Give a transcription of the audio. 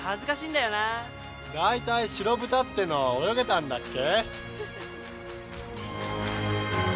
大体白豚ってのは泳げたんだっけ？